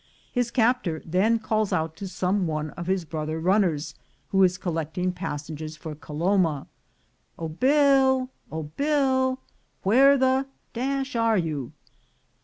His captor then calls out to some one of his brother runners who is collecting passengers for Caloma — "Oh Bill! — oh Bill! where the are you?"